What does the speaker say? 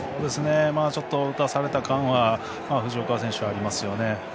ちょっと打たされた感じは藤岡選手はありますよね。